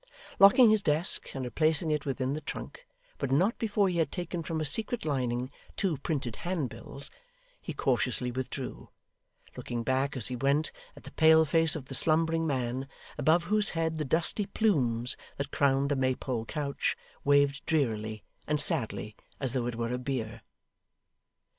Locking his desk, and replacing it within the trunk (but not before he had taken from a secret lining two printed handbills), he cautiously withdrew; looking back, as he went, at the pale face of the slumbering man, above whose head the dusty plumes that crowned the Maypole couch, waved drearily and sadly as though it were a bier.